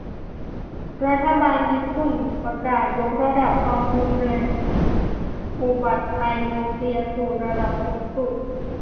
รัฐบาลญี่ปุ่นประกาศยกระดับความรุนแรงอุบัติภัยนิวเคลียร์สู่ระดับสูงสุด